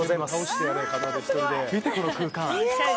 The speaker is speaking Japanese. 見てこの空間。